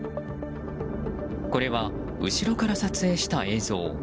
これは後ろから撮影した映像。